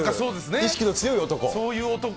意識の強い男。